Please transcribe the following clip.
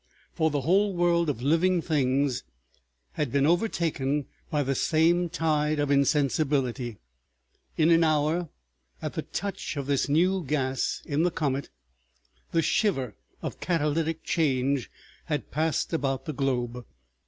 For the whole world of living things had been overtaken by the same tide of insensibility; in an hour, at the touch of this new gas in the comet, the shiver of catalytic change had passed about the globe.